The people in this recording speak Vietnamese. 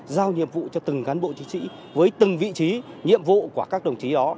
giao nhiệm vụ cho từng cán bộ chiến sĩ với từng vị trí nhiệm vụ của các đồng chí đó